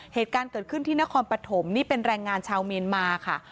เหตุการณ์เกิดขึ้นที่นครปฐมนี่เป็นแรงงานชาวเมียนมาค่ะ